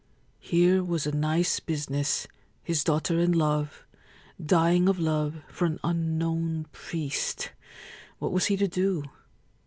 Here was a nice business — his daughter in love — dying of love for an unknown priest ! What was he to do